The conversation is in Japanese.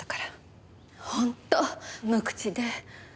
本当無口で。